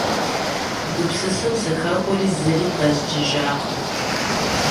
Гупсысэм сыхэхуэри зыри пэздзыжакъым.